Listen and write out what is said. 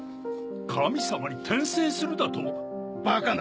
神様に転生するだと⁉バカな！